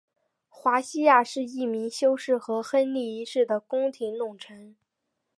华西亚是一名修士和亨利一世的宫廷弄臣。